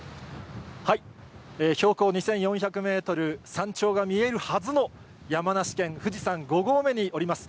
標高２４００メートル、山頂が見えるはずの山梨県富士山５合目におります。